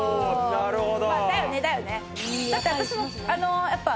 なるほど。